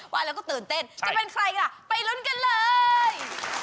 วันเราก็ตื่นเต้นจะเป็นใครกันล่ะไปลุ้นกันเลย